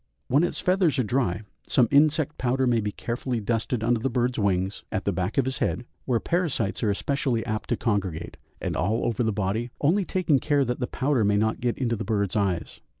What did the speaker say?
When its feathers are dry, some insect powder may be carefully dusted under the bird's wings, at the back of his head, where parasites are especially apt to congregate, and all over the body, only taking care that the powder may not get into the bird's eyes.